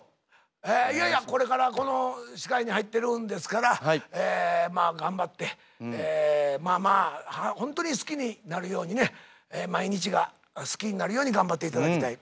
えいやいやこれからこの世界に入ってるんですからえまあ頑張ってまあまあホントに好きになるようにね毎日が好きになるように頑張っていただきたい。